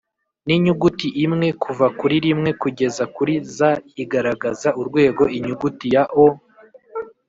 n inyuguti imwe kuva kuri rimwe kugeza kuri Z igaragaza urwego Inyuguti ya O